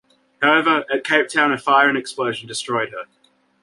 However, at Cape Town a fire and explosion destroyed her.